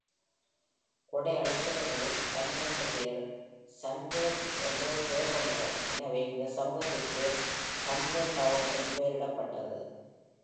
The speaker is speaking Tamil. கொடையளித்தவர்களில் பனிரெண்டு பேர் சன்பார்ன் என்று பெயர் கொண்டவர்கள், எனவே இந்த சமூகத்திற்கு சான்பார்ன்டவுன் என்று பெயரிடப்பட்டது.